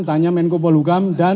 tanya menko polugam dan